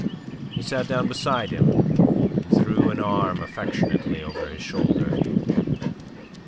He sat down beside him and threw an arm affectionately over his shoulder.